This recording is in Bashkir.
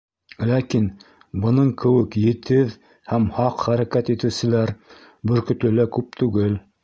Ләкин бының кеүек етеҙ һәм һаҡ хәрәкәт итеүселәр Бөркөтлөлә күп түгел.